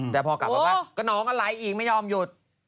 แต่พอกลับไปว่าก็หนองก็ไหลอีกไม่ยอมหยุด